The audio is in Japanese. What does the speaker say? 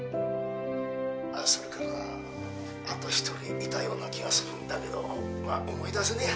「それからあと一人いたような気がするんだけど思い出せねえや。